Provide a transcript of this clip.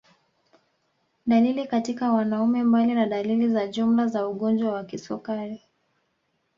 Dalili katika wanaume Mbali na dalili za jumla za ugonjwa wa kisukari